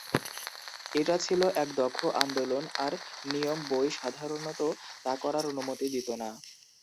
এটা ছিল এক দক্ষ আন্দোলন আর নিয়ম বই সাধারণত তা করার অনুমতি দিত না।